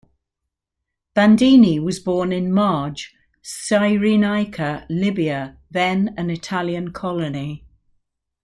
Bandini was born in Marj, Cyrenaica, Libya, then an Italian colony.